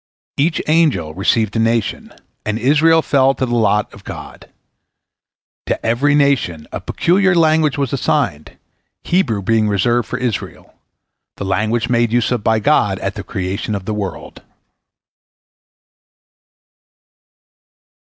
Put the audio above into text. Each angel received a nation, and Israel fell to the lot of God. To every nation a peculiar language was assigned, Hebrew being reserved for Israel—the language made use of by God at the creation of the world.